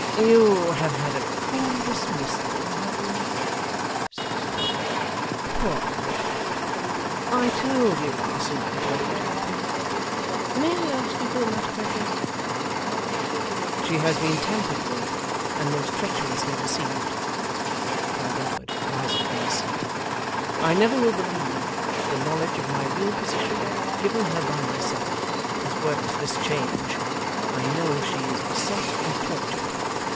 'You have had a cool dismissal, have you?' said his father. 'Poor Ned! I told you last night what would happen. May I ask you for the nutcrackers?' 'She has been tampered with, and most treacherously deceived,' cried Edward, rising from his seat. 'I never will believe that the knowledge of my real position, given her by myself, has worked this change. I know she is beset and tortured.